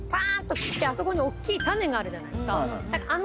あそこに大っきい種があるじゃないですか。